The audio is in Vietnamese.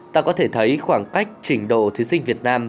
ta có thể thấy khoảng cách trình độ thí sinh việt nam